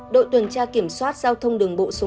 đội tuần tra kiểm soát giao thông đường bộ số một